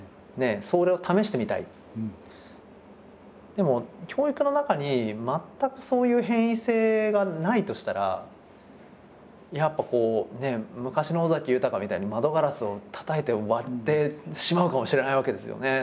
でも教育の中に全くそういう変異性がないとしたらやっぱこうね昔の尾崎豊みたいに窓ガラスをたたいて割ってしまうかもしれないわけですよね。